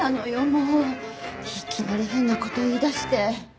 もういきなり変なこと言い出して。